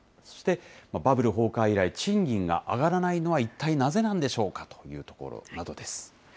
そしてバブル崩壊以来、賃金が上がらないのは一体なぜなんでしょうかというところなどです。